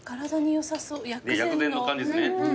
薬膳の感じですね。